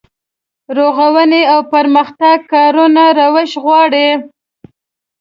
رغونې او پرمختګ کارونه روش غواړي.